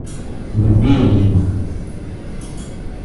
Люби ее.